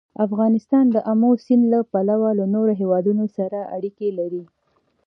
افغانستان د آمو سیند له پلوه له نورو هېوادونو سره اړیکې لري.